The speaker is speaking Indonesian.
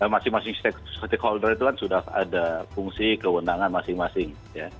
masing masing stakeholder itu kan sudah ada fungsi kewenangan masing masing